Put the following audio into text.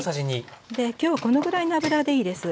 きょうこのぐらいの油でいいです。